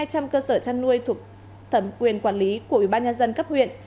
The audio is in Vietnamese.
hai trăm linh cơ sở chăn nuôi thuộc thẩm quyền quản lý của ủy ban nhân dân cấp huyện